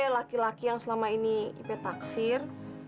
laki laki yang selama ini ipe taksir